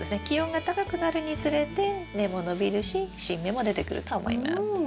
気温が高くなるにつれて根も伸びるし新芽も出てくると思います。